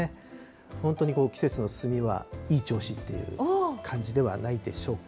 本当に季節の進みは、いい調子っていう感じではないでしょうか。